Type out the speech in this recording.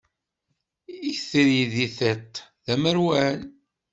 Itri di tiṭ, d amerwal.